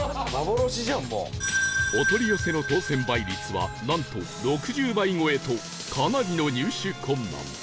お取り寄せの当選倍率はなんと６０倍超えとかなりの入手困難